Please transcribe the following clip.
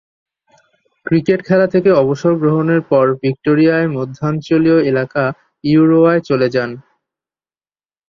Cricket খেলা থেকে অবসর গ্রহণের পর ভিক্টোরিয়ার মধ্যাঞ্চলীয় এলাকা ইউরোয়ায় চলে যান।